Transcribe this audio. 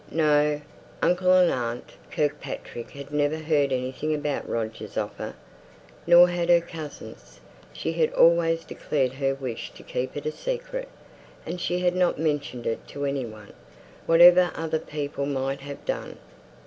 No! Uncle and aunt Kirkpatrick had never heard anything about Roger's offer, nor had her cousins. She had always declared her wish to keep it a secret, and she had not mentioned it to any one, whatever other people might have done."